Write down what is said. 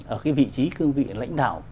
ở cái vị trí cương vị lãnh đạo